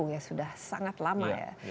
ya sudah sangat lama ya